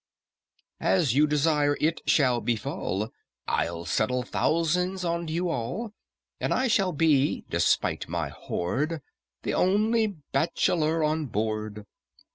"As you desire it shall befall, I'll settle thousands on you all, And I shall be, despite my hoard, The only bachelor on board."